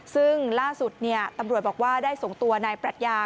ซึ่งล่าสุดตำรวจบอกว่าได้ส่งตัวนายปรัชญา